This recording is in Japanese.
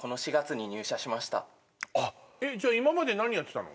じゃ今まで何やってたの？